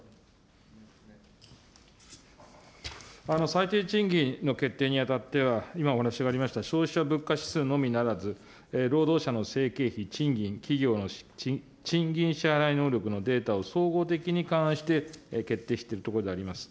最低賃金の決定にあたっては、今お話がありました、消費者物価指数のみならず、労働者の生計費、賃金、企業の賃金支払い能力のデータを総合的に勘案して、決定しているところであります。